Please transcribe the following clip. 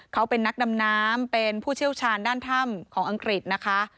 เขาเป็นนักดำน้ำเป็นผู้เชี่ยวชาญด้านถ้ำของอังกฤษนะคะ